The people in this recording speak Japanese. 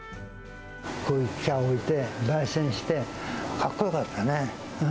こういう機械置いて、ばい煎して、かっこよかったね。